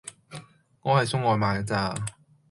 我係送外賣㗎咋